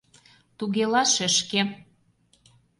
— Туге-ла, шешке.